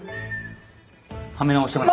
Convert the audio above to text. はめ直します。